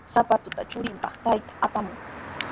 Sapatuta churinpaq taytan apamunaq.